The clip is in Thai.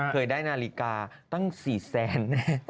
เคยได้นาฬิกาตั้ง๔๐๐๐๐๐บาท